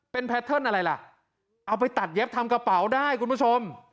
เป็นแพทเทิร์นอะไรล่ะเอาไปตัดเย็บทำกระเป๋าได้คุณผู้ชม